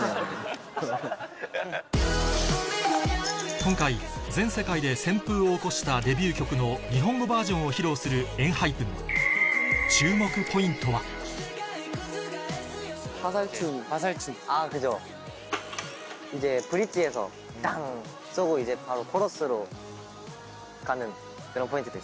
今回全世界で旋風を起こしたデビュー曲の日本語バージョンを披露するＥＮＨＹＰＥＮダン！